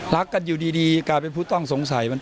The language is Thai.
รักกันอยู่ดีกลายเป็นผู้ต้องสงสัย